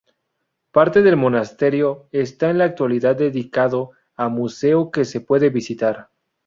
Parte del monasterio está en la actualidad dedicado a museo que se puede visitar.